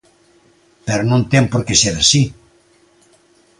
Pero non ten por que ser así.